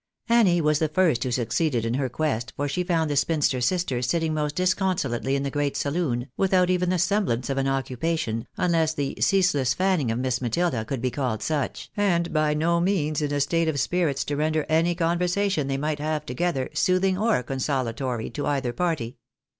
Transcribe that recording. Annie was the first who succeeded in her quest, for she found the spinster sisters sitting most disconsolately in the great saloon, without even the semblance of an occupation, unless the ceaseless fanning of Miss Matilda could be called such, and by no means in a state of spirits to render any conversation they might have together soothing or consolatory to either party.